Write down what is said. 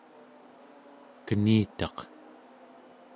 kenitaq